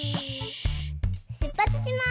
しゅっぱつします！